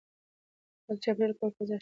پاک چاپېريال کور فضا ښه کوي.